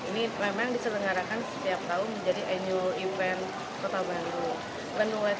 ini memang diselenggarakan setiap tahun menjadi annual event kota bandung